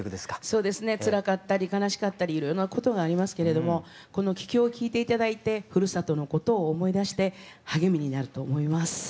そうですねつらかったり悲しかったりいろいろなことがありますけれどもこの「帰郷」を聴いて頂いてふるさとのことを思い出して励みになると思います。